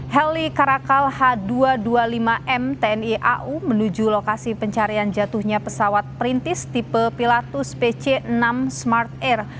heli karakal h dua ratus dua puluh lima m tni au menuju lokasi pencarian jatuhnya pesawat perintis tipe pilatus pc enam smart air